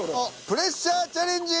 プレッシャーチャレンジ。